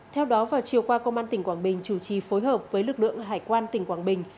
theo đó vào chiều qua công an tỉnh quảng bình chủ trì phối hợp với lực lượng hải quan tỉnh quảng bình